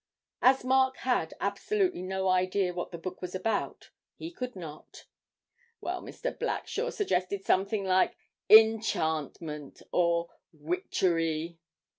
As Mark had absolutely no idea what the book was about, he could not. 'Well, Mr. Blackshaw suggested something like "Enchantment," or "Witchery."'